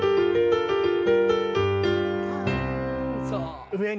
そう。